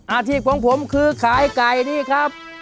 อาชีพของผมคือขายไก่นี่ครับ